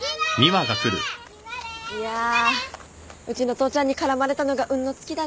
いやうちの父ちゃんに絡まれたのが運の尽きだね。